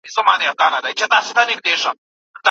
میرویس خان د خپلې خاورې د ازادۍ لپاره مبارزه وکړه.